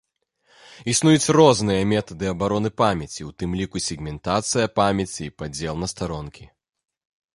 Існуюць розныя метады абароны памяці, у тым ліку сегментацыя памяці і падзел на старонкі.